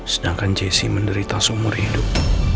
sedangkan jessie menderita seumur hidup